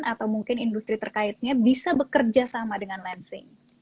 atau mungkin industri terkaitnya bisa bekerja sama dengan lansing